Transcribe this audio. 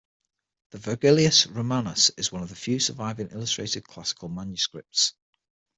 The Vergilius Romanus is one of the few surviving illustrated classical manuscripts.